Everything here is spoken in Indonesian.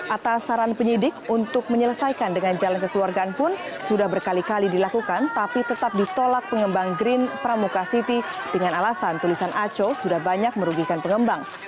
atas saran penyidik untuk menyelesaikan dengan jalan kekeluargaan pun sudah berkali kali dilakukan tapi tetap ditolak pengembang green pramuka city dengan alasan tulisan aco sudah banyak merugikan pengembang